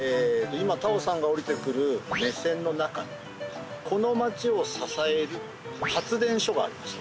今太鳳さんが降りてくる目線の中にこの街を支える発電所がありました